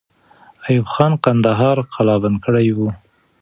ایوب خان کندهار قلابند کړی وو.